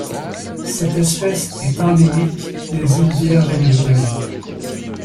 Cette espèce est endémique des îles Vierges américaines.